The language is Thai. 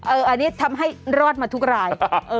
อันนี้ทำให้รอดมาทุกราย